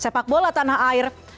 sepak bola tanah air